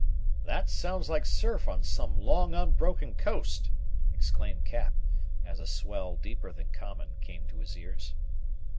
"That sounds like surf on some long unbroken coast!" exclaimed Cap, as a swell, deeper than common, came to his ears.